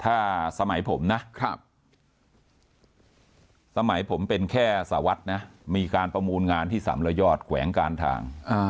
ถ้าสมัยผมนะสมัยผมเป็นแค่สารวัตรนะมีการประมูลงานที่สำระยอดแขวงการทาง